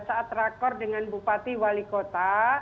saat rakor dengan bupati wali kota